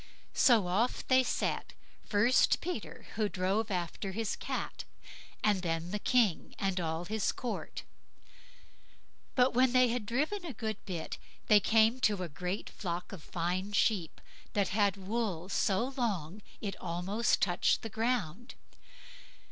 So off they set; first Peter, who drove after his Cat, and then the King and all his court. But when they had driven a good bit, they came to a great flock of fine sheep, that had wool so long it almost touched the ground.